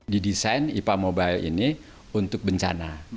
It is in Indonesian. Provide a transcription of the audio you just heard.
didesain ipal mobile ini untuk bencana